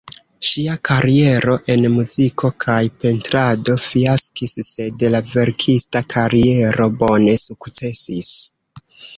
Ŝia kariero en muziko kaj pentrado fiaskis, sed la verkista kariero bone sukcesis.